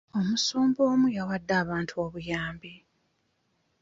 Omusumba omu yawadde abantu obuyambi.